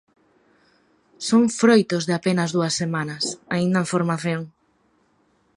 Son froitos de apenas dúas semanas, aínda en formación.